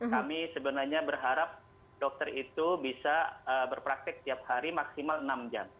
kami sebenarnya berharap dokter itu bisa berpraktek tiap hari maksimal enam jam